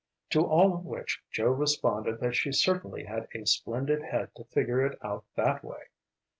To all of which Joe responded that she certainly had a splendid head to figure it out that way.